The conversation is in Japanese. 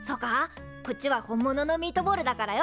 こっちは本物のミートボールだからよ